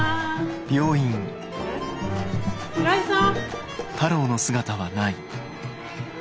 平井さん？